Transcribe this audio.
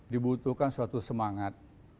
dibutuhkan suatu semangat